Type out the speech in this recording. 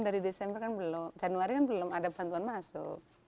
dari desember kan belum januari kan belum ada bantuan masuk